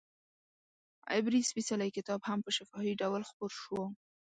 عبري سپېڅلی کتاب هم په شفاهي ډول خپور شو.